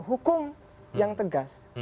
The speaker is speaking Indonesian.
hukum yang tegas